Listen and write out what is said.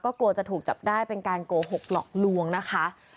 กลัวจะถูกจับได้เป็นการโกหกหลอกลวงนะคะ